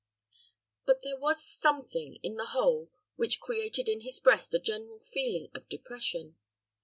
But there was something in the whole which created in his breast a general feeling of depression.